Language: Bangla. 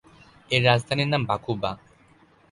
এর রাজধানীর নাম বাকুবা।